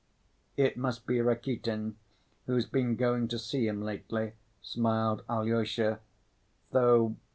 "It must be Rakitin, who's been going to see him lately," smiled Alyosha, "though